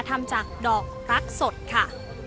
ทำจากดอกรักสดค่ะ